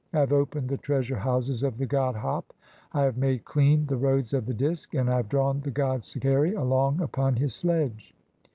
(3) I have opened the treasure houses of "the god Hap, I have made clean the roads of the Disk, and "I have drawn the god Sekeri along (4) upon his sledge.